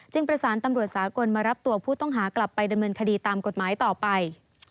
ประสานตำรวจสากลมารับตัวผู้ต้องหากลับไปดำเนินคดีตามกฎหมายต่อไป